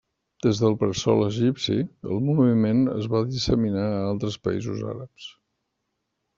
Des del bressol egipci, el moviment es va disseminar a altres països àrabs.